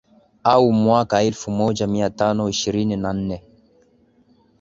Au mwaka elfu moja mia tano ishirini na nne